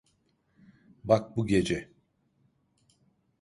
Bak bu gece.